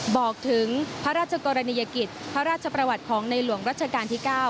บอกถึงพระราชกรณียกิจพระราชประวัติของในหลวงรัชกาลที่๙